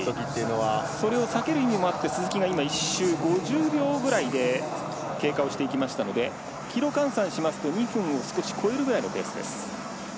それを避ける意味もあって鈴木が１周５０秒ぐらいで経過をしていきましたのでキロ換算しますと２分を少し超えるくらいのペースです。